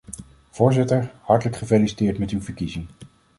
Voorzitter, hartelijk gefeliciteerd met uw verkiezing.